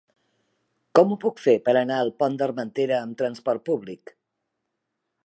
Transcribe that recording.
Com ho puc fer per anar al Pont d'Armentera amb trasport públic?